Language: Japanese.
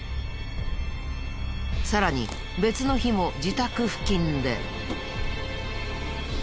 さらに別の日も自宅付近で。